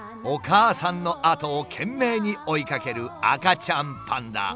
お母さんの後を懸命に追いかける赤ちゃんパンダ。